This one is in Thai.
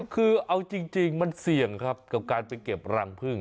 คือเอาจริงมันเสี่ยงครับกับการไปเก็บรังพึ่ง